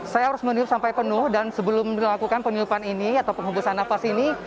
saya harus meniup sampai penuh dan sebelum melakukan peniupan ini atau penghubusan nafas ini